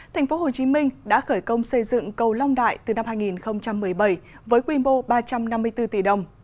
tp hcm đã khởi công xây dựng cầu long đại từ năm hai nghìn một mươi bảy với quy mô ba trăm năm mươi bốn tỷ đồng